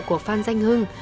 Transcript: của phan danh hưng